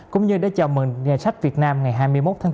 cũng như để chào mừng ngày sách việt nam ngày hai mươi một tháng bốn